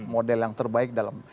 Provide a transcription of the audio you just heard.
model yang terbaik dalam